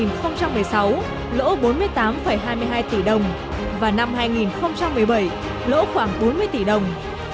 năm hai nghìn một mươi sáu lỗ bốn mươi tám hai mươi hai tỷ đồng và năm hai nghìn một mươi bảy lỗ khoảng bốn mươi tỷ đồng